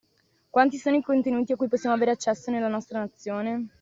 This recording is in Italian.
Quanti sono i contenuti a cui possiamo avere accesso dalla nostra nazione?